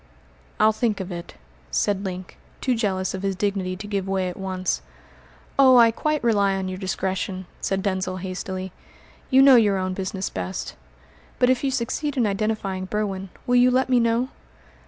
"I'll think of it," said Link, too jealous of his dignity to give way at once. "Oh, I quite rely on your discretion," said Denzil hastily. "You know your own business best. But if you succeed in identifying Berwin, will you let me know?"